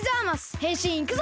へんしんいくぞ！